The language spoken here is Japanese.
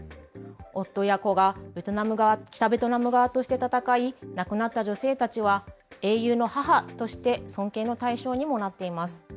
夫や子がベトナムが北ベトナム側として戦い、亡くなった女性たちは、英雄の母として尊敬の対象にもなっています。